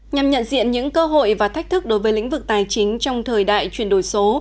nhằm nhận diện những cơ hội và thách thức đối với lĩnh vực tài chính trong thời đại chuyển đổi số